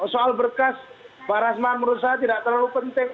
soal berkas pak rasman menurut saya tidak terlalu penting